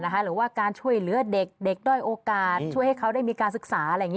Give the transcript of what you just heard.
หรือว่าการช่วยเหลือเด็กด้อยโอกาสช่วยให้เขาได้มีการศึกษาอะไรอย่างนี้